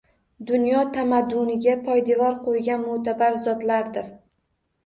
Dunyo tamadduniga poydevor qoʻygan moʻtabar zotlardir